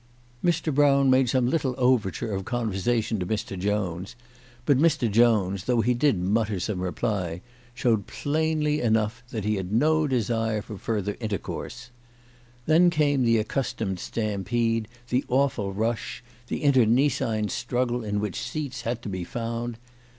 Mr. CHRISTMAS AT THOMPSON HALL. 247 Brown made some little overture of conversation to Mr. Jones, but Mr. Jones, though he did mutter some reply, showed plainly enough that he had no desire for further intercourse. Then came the accustomed stam pede, the awful rush, the internecine struggle in which seats had to be found.